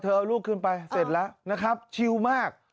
เธอเอาลูกขึ้นไปเสร็จแล้วนะครับ